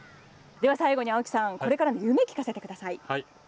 最後に青木さんこれからの夢を聞かせてください。